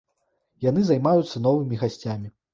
Яны займаюцца новымі гасцямі.